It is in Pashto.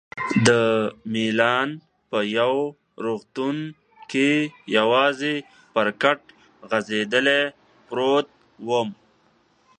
د میلان په یو روغتون کې یوازې پر کټ غځېدلی پروت وم.